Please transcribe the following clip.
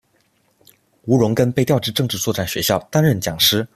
吴荣根被调至政治作战学校担任讲师。